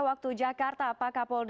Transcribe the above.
waktu jakarta pak kapolda